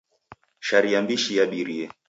Sharia m'bishi yabirie.